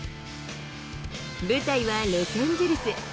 舞台はロサンゼルス。